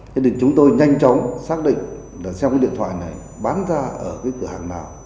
thế thì chúng tôi nhanh chóng xác định là xem cái điện thoại này bán ra ở cái cửa hàng nào